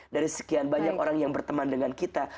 dari sekian banyak orang yang berteman dengan kita